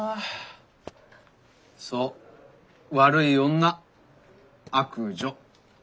そう悪い女悪女。